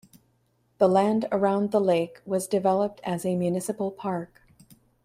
The land around the lake was developed as a municipal park.